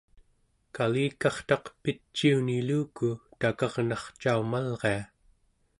kalikartaq piciuniluku takarnarcaumalria